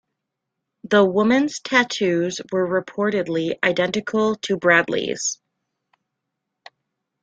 The woman's tattoos were reportedly identical to Bradley's.